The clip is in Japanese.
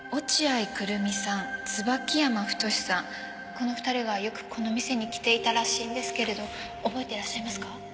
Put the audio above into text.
この２人がよくこの店に来ていたらしいんですけれど覚えてらっしゃいますか？